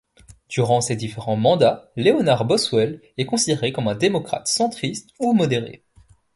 Durant ses différents mandats, Leonard Boswell est considéré comme un démocrate centriste ou modéré.